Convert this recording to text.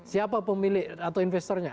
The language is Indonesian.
siapa pemilik atau investornya